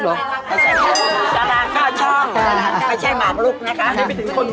อะไรมั้ยครับ